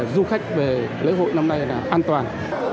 du khách về lễ hội năm nay là an toàn